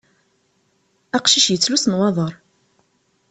Aqcic yettlus nwaḍar.